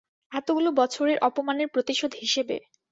এতগুলো বছরের অপমানের প্রতিশোধ হিসেবে।